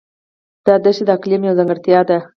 دا دښتې د اقلیم یوه ځانګړتیا ده.